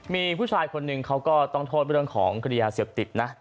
มีผู้ชายคนหนึ่งเขาก็ต้องโทษเรื่องของคดียาเสพติดนะ